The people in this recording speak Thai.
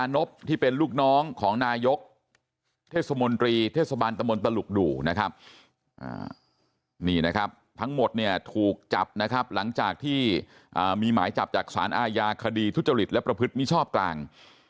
นี่นะครับทั้งหมดเนี่ยถูกจับนะครับหลังจากที่มีหมายจับจากสารอาญาคดีทุจริตและประพฤติมิชอบกลาง